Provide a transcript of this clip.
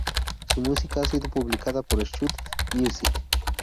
Su música ha sido publicada por Schott Music.